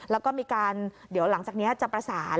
แล้วก็มีการเดี๋ยวหลังจากนี้จะประสาน